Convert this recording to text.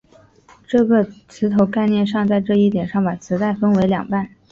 这个磁头概念上在这一点上把磁带分为两半。